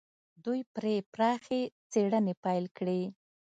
دوی پرې پراخې څېړنې پيل کړې.